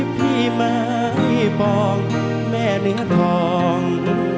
พี่ไม่ปองแม่เนื้อทอง